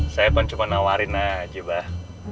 saya bukan cuma nawarin aja bah